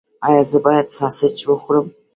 ایا زه باید ساسج وخورم؟